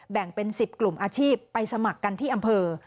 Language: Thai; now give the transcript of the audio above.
แบ่งเป็น๑๐กลุ่มอาชีพไปสมัครกันที่อำเภอ